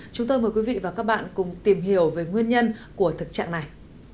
chúng tôi mời quý vị và các bạn cùng tìm hiểu về nguyên nhân của thực trạng này